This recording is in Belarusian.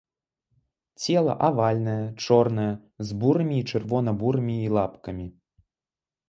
Цела авальнае, чорнае, з бурымі і чырвона-бурымі і лапкамі.